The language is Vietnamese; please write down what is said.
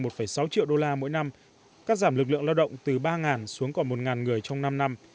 một sáu triệu đô la mỗi năm cắt giảm lực lượng lao động từ ba xuống còn một người trong năm năm